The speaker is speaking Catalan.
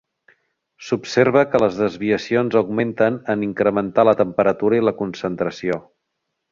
S'observa que les desviacions augmenten en incrementar la temperatura i la concentració.